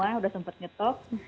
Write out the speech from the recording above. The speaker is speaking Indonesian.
sudah sempat nyetok